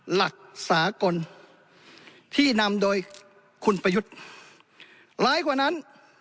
หลักสากลที่นำโดยคุณประยุทธ์ร้ายกว่านั้น